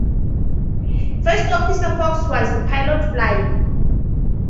First Officer Fox was the pilot flying.